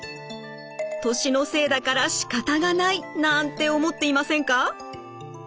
年のせいだからしかたがないなんて思っていませんか？